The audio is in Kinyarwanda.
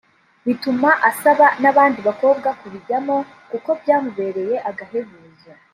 bituma asaba n’abandi bakobwa kubijyamo kuko byamubereye agahebuzo